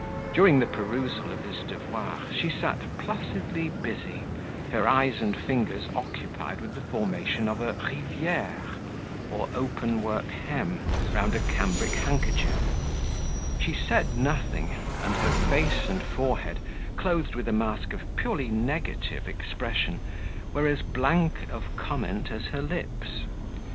During the perusal of this devoir, she sat placidly busy, her eyes and fingers occupied with the formation of a "riviere" or open work hem round a cambric handkerchief; she said nothing, and her face and forehead, clothed with a mask of purely negative expression, were as blank of comment as her lips.